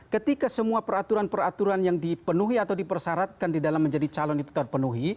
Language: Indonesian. ketika semua peraturan peraturan yang dipenuhi atau dipersyaratkan di dalam menjadi calon itu terpenuhi